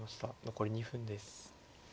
残り２分です。